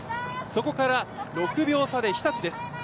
そこから６秒差で日立です。